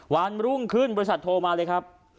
วันรุ่งขึ้นบริษัทโทรมาเลยครับ